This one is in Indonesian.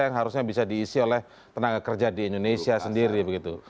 yang harusnya bisa diisi oleh tenaga kerja di indonesia sendiri begitu